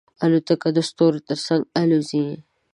الوتکه د ستورو تر څنګ الوزي.